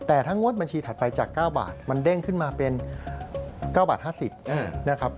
แต่ถ้างวดบัญชีถัดไปจาก๙บาทมันเด้งขึ้นมาเป็น๙บาท๕๐นะครับ